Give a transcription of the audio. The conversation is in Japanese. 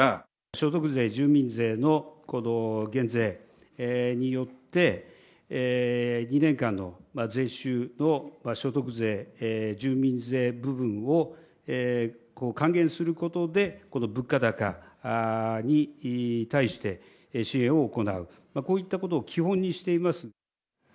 所得税、住民税の、この減税によって、２年間の税収の所得税、住民税部分を還元することで、この物価高に対して支援を行う、こういったことを基本にしています。